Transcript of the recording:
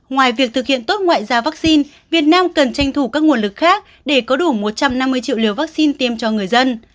ngoài việc thực hiện tốt ngoại giao vaccine việt nam cần tranh thủ các nguồn lực khác để có đủ một trăm năm mươi triệu liều vaccine tiêm cho người dân